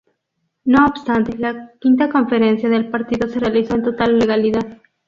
No obstante, la V Conferencia del Partido se realizó en total legalidad.